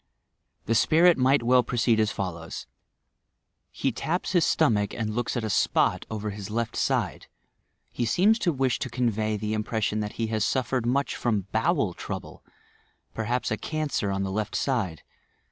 The spirit might well proceed as follow?: 'He taps his stomach and looks at a spot over tua left side. He seems to wish to eonwy the impression that he suffered mnch from bowel tioable, perhaps a cancer on the left side.